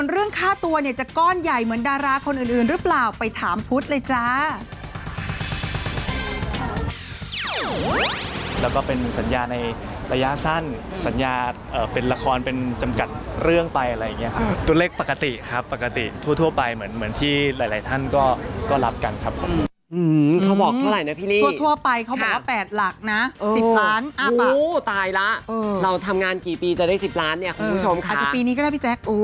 เรื่องไปอะไรอย่างเงี้ยค่ะตัวเลขปกติครับปกติทั่วไปเหมือนที่หลายท่านก็รับกันครับ